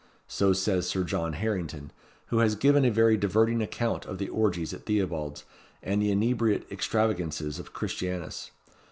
So says Sir John Harington, who has given a very diverting account of the orgies at Theobalds, and the inebriate extravagances of Christianus.